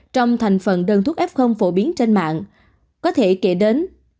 trong thành phần đơn thuốc f phổ biến trên mạng có thể kể đến